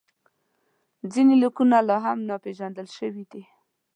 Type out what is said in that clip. ځینې لیکونه لا هم ناپېژندل شوي دي.